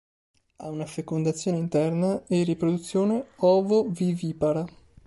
Ha una fecondazione interna e riproduzione ovovivipara.